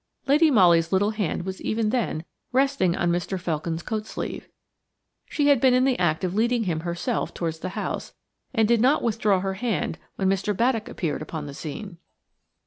Lady Molly's little hand was even then resting on Mr. Felkin's coat sleeve; she had been in the act of leading him herself towards the house, and did not withdraw her hand when Mr. Baddock appeared upon the scene.